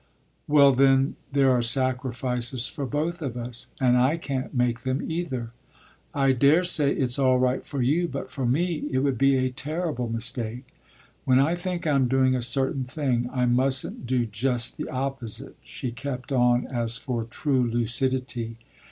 "Well then, there are sacrifices for both of us, and I can't make them either. I daresay it's all right for you, but for me it would be a terrible mistake. When I think I'm doing a certain thing I mustn't do just the opposite," she kept on as for true lucidity.